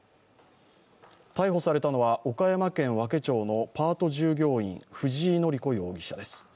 逮捕されたのは岡山県和気町のパート従業員藤井典子容疑者です。